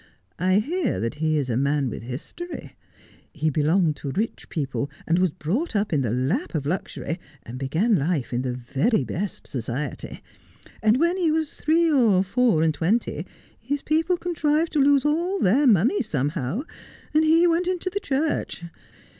I hear that he is a man with a history. He belonged to rich people, and was brought up in the lap of luxury, and began life in the very best society. And when he was three or four and twenty his people contrived to lose all their money somehow, and he went into the Church.